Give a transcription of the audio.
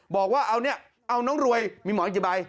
บอกว่าเอาเนี่ยเอาน้องรวยมีหมออีกกี่ใบ